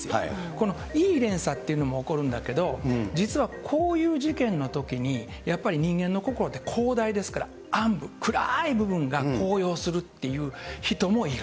このいい連鎖というのも起こるんだけど、実はこういう事件のときに、やっぱり人間の心って広大ですから、暗部、暗い部分が高揚するという人もいる。